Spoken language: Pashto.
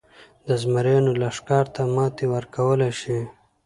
د زمریانو لښکر ته ماتې ورکولای شي.